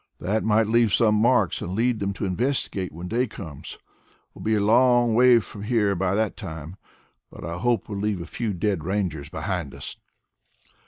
That might leave some marks and lead them to investigate when day comes. We'll be a long way from here by that time, but I hope we'll leave a few dead Rangers behind us."